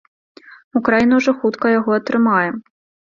Украіна ўжо хутка яго атрымае.